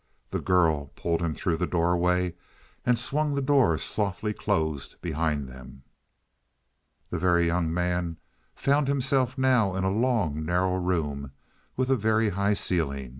The girl pulled him through the doorway, and swung the door softly closed behind them. The Very Young Man found himself now in a long, narrow room with a very high ceiling.